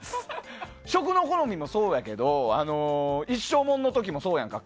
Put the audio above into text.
食の好みもそうだけど一生モノの時もそうやんか。